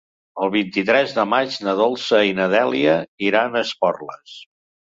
El vint-i-tres de maig na Dolça i na Dèlia iran a Esporles.